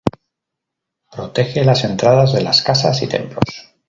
Protege las entradas de las casas y templos.